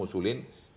gak bisa dimakan lagi